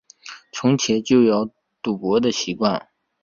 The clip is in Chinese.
从前就有赌博的习惯